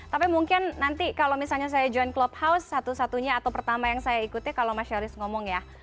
tapi mungkin nanti kalau misalnya saya joint clubhouse satu satunya atau pertama yang saya ikuti kalau mas yoris ngomong ya